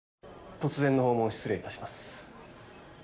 突然の訪問失礼いたします